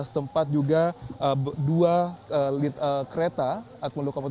sempat juga dua